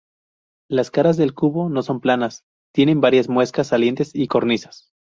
Las caras del cubo no son planas, tienen varias muescas, salientes y cornisas.